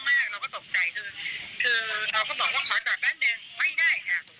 คือเราก็บอกว่าขอจอดแป๊บหนึ่งไม่ได้ครับตรงโรงงานเราก็เลยขยับไปที่หนึ่ง